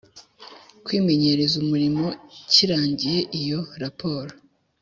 Kwimenyereza umurimo kirangire iyo raporo